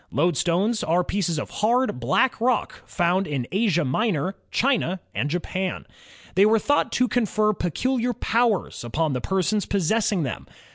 Loadstones are pieces of hard, black rock found in Asia Minor, China, and Japan. They were thought to confer peculiar powers upon the persons possessing them.